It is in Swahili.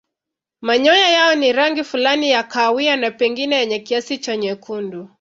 Manyoya yao ni rangi fulani ya kahawia na pengine yenye kiasi cha nyekundu.